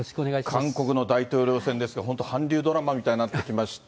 韓国の大統領選ですが、本当、韓流ドラマみたいになってきました。